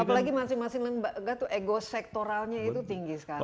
apalagi masing masing lembaga itu ego sektoralnya itu tinggi sekali